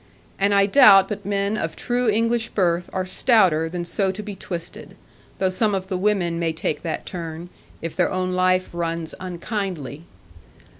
And I doubt but men of true English birth are stouter than so to be twisted, though some of the women may take that turn, if their own life runs unkindly.